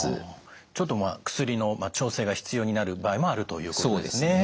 ちょっとまあ薬の調整が必要になる場合もあるということですね。